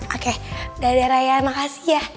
oke dadah raya makasih ya